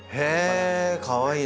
かわいい！